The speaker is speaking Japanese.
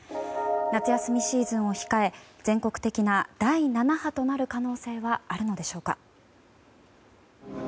夏休みシーズンを控え全国的な第７波になる可能性はあるのでしょうか。